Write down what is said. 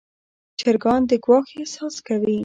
چرګان د ګواښ احساس کوي.